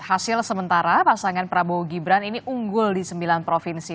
hasil sementara pasangan prabowo gibran ini unggul di sembilan provinsi